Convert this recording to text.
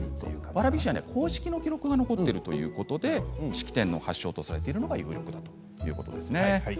蕨市には公式の記録が残っているということで式典の発祥とされているのが有力だということなんです。